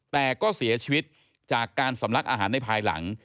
แต่ก็เสียชีวิตจากการสำลักอาหารในภายหลัง